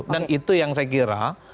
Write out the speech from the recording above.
dan itu yang saya kira